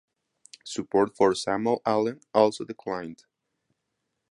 Support for Samuel Allen also declined.